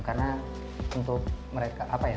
karena untuk mereka apa ya